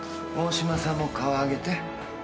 大島さんも顔上げて。